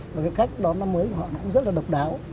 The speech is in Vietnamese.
và cái cách đón năm mới của họ cũng rất là độc đáo